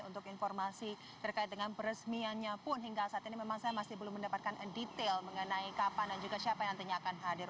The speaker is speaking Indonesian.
untuk informasi terkait dengan peresmiannya pun hingga saat ini memang saya masih belum mendapatkan detail mengenai kapan dan juga siapa yang nantinya akan hadir